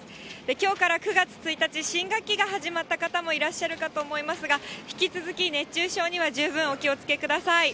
きょうから９月１日、新学期が始まった方もいらっしゃるかと思いますが、引き続き熱中症には十分お気をつけください。